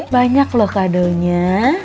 banyak loh kadaunya